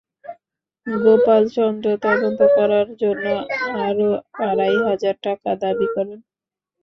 গোপাল চন্দ্র তদন্ত করার জন্য আরও আড়াই হাজার টাকা দাবি করেন।